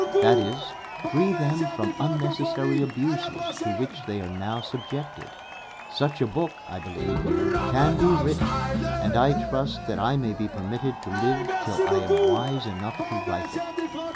That is, free them from unnecessary abuses to which they are now subjected. Such a book, I believe, can be written and I trust that I may be permitted to live till I am wise enough to write it.